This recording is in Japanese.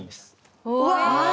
うわ！